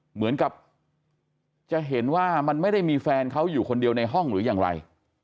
เหมือนกับจะเห็นว่ามันไม่ได้มีแฟนเขาอยู่คนเดียวในห้องหรือยังไร